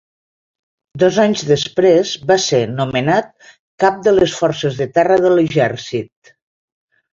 Dos anys després va ser nomenat Cap de les Forces de Terra de l'Exèrcit.